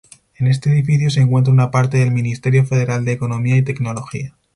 En este edificio se encuentra una parte del Ministerio Federal de Economía y Tecnología.